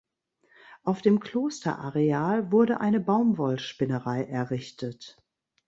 Auf dem Klosterareal wurde eine Baumwollspinnerei errichtet.